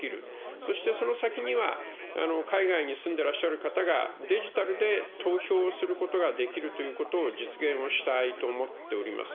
そしてその先には海外に住んでらっしゃる方がデジタルで投票をすることができるということを、実現をしたいと思っております。